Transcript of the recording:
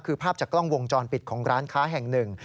คือภาพจากกล้องวงจรปิดของร้านค้าแห่งหนึ่ง